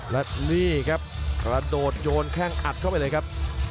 และนี่ครับกระโดดโยนแข้งอัดเข้าไปเลยครับ